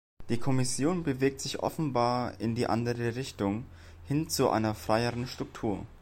Die Kommission bewegt sich offenbar in die andere Richtung, hin zu einer freieren Struktur.